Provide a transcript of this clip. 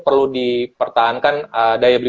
perlu dipertahankan daya beli